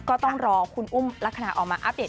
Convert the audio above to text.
ก็ต้องรอคุณอุ้มลักษณะออกมาอัปเดต